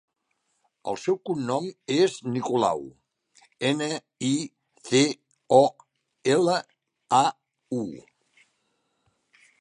El seu cognom és Nicolau: ena, i, ce, o, ela, a, u.